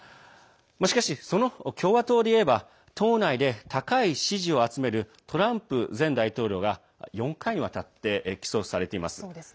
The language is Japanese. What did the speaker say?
しかし、その共和党で言えば党内で高い支持を集めるトランプ前大統領が４回にわたって起訴されています。